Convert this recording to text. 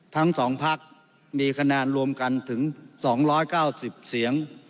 ทั้ง๒พักมีคะแนนรวมกันถึง๒๙๐เสียง